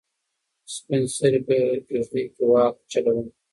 سپین سرې په کيږدۍ کې واک چلاوه.